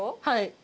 はい。